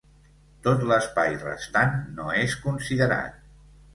Tot l'espai restant no és considerat.